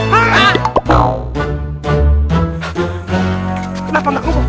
kenapa nanggung buki